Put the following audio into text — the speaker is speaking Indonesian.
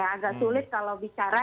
agak sulit kalau bicara